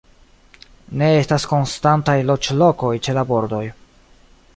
Ne estas konstantaj loĝlokoj ĉe la bordoj.